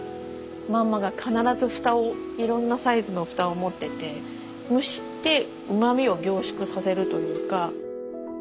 マンマが必ずふたをいろんなサイズのふたを持ってて蒸してうまみを凝縮させるというか。